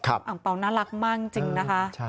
อ่างเปล่าน่ารักมากจริงนะคะ